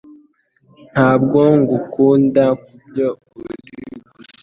Ntabwo ngukunda kubyo uri gusa,